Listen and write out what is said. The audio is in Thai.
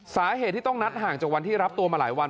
สาเหตุที่ต้องนัดห่างจากวันที่รับตัวมาหลายวัน